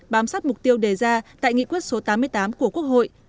bám sát mục tiêu đề ra tại nghị quyết số tám mươi tám của quốc hội